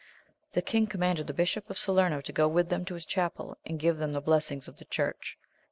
The king commanded the Bishop of Salerno to go with them to his chapel, and give them the blessings of the church.